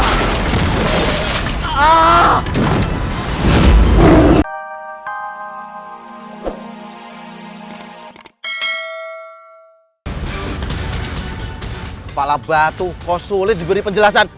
kepala batu kos sulit diberi penjelasan